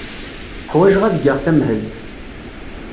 Ḥwajeɣ ad geɣ tamhelt.